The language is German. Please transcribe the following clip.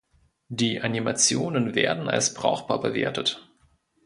Die Animationen werden als "brauchbar" bewertet.